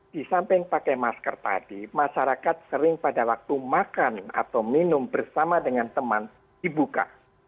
di samping pakai masker tadi masyarakat sering pada waktu makan atau minum bersama dengan teman dibuka